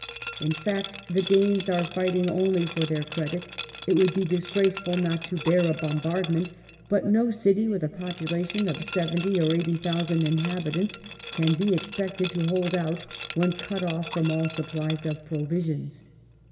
In fact, the Danes are fighting only for their credit; it would be disgraceful not to bear a bombardment ; but no city with a population of seventy or eighty thousand inhabitants can be expected to hold out when cut off from all supplies of provisions.